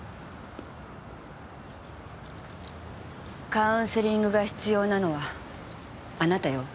カウンセリングが必要なのはあなたよ。